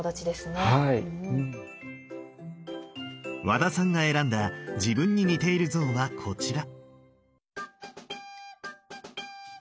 和田さんが選んだ自分に似ている像はこちら。